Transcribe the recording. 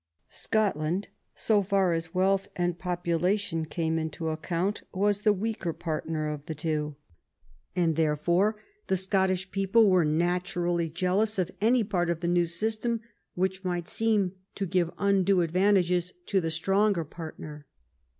Scotland, so far as wealth and population came into account, was the weaker partner of the two, and therefore the Scottish people were naturally jealous of any part of the new system which might seem to give undue advantages to the stronger partner.